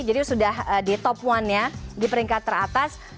jadi sudah di top satu nya di peringkat teratas